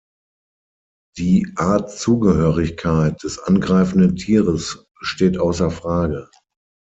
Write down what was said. Die Artzugehörigkeit des angreifenden Tieres steht außer Frage.